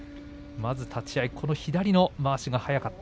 まず立ち合い左の前まわしが速かった。